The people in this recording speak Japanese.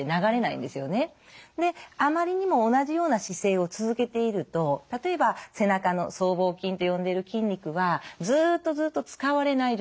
であまりにも同じような姿勢を続けていると例えば背中の僧帽筋と呼んでる筋肉はずっとずっと使われない状態なわけなんです。